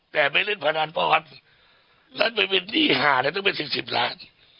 แต่ไม่เล่นพนันป่อนแล้วไปเป็นหนี้หาเนี่ยต้องเป็นสิบสิบล้าน